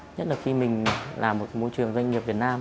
nhất là khi mình làm một môi trường doanh nghiệp việt nam